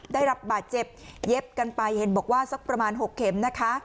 ได้รับบาดเจ็บเย็บกันไปเห็นบอกว่าสักประมาณ๖เข็มนะคะ